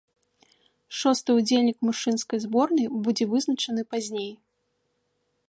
Шосты ўдзельнік мужчынскай зборнай будзе вызначаны пазней.